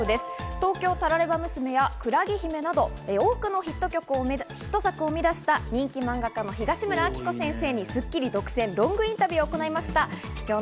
『東京タラレバ娘』や『海月姫』など多くのヒット作を生み出した、漫画家の東村アキコ先生に『スッキリ』独占ロングインタビューを行いました。